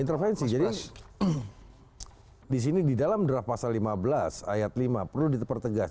intervensi jadi disini di dalam draft pasal lima belas ayat lima perlu dipertegas